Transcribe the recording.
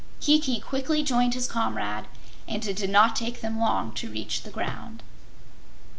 Kiki quickly joined his comrade and it did not take them long to reach the ground. 8.